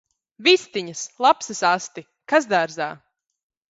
Vistiņas! Lapsas asti! Kas dārzā!